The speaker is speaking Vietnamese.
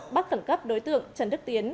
bắt tẩn cấp đối tượng trần đức tiến